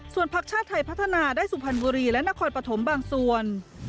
ภักดิ์ชาติไทยพัฒนาได้สุพรรณบุรีและนครปฐมบางส่วน